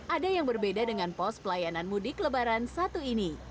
ada yang berbeda dengan pos pelayanan mudik lebaran satu ini